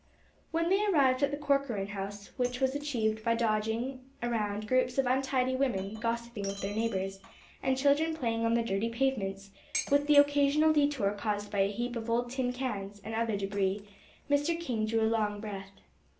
When they arrived at the Corcoran house, which was achieved by dodging around groups of untidy women gossiping with their neighbors, and children playing on the dirty pavements, with the occasional detour caused by a heap of old tin cans, and other débris, Mr. King drew a long breath.